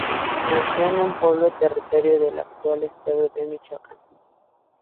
Nació en un pueblo, territorio del actual estado de Michoacán.